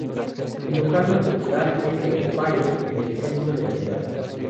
El local más popular es "the Empire" en el centro de la ciudad.